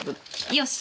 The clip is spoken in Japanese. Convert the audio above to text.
よし。